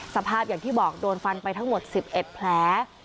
สภาพอย่างที่บอกโดนฟันไปทั้งหมด๑๑แผล